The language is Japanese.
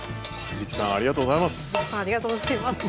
藤木さんありがとうございます。